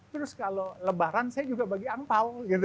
terus kalau lebaran saya juga bagi angpao